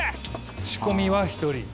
仕込みは一人？